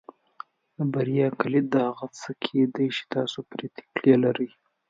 د بریا کلید د هغه څه کې دی چې تاسو پرې تکیه لرئ.